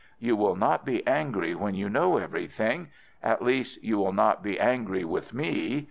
You will not be angry when you know everything—at least, you will not be angry with me.